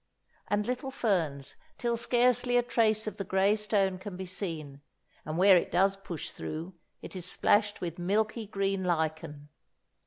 and little ferns, till scarcely a trace of the grey stone can be seen, and where it does push through it is splashed with milky green lichen.